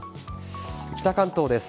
北関東です。